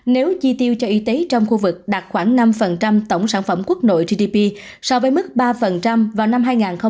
nếu chi tiêu cho y tế trong khu vực đạt khoảng năm tổng sản phẩm quốc nội gdp so với mức ba vào năm hai nghìn một mươi năm